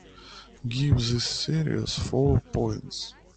Give this series four points